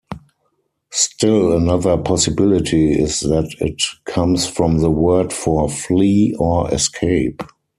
Still another possibility is that it comes from the word for "flee" or "escape.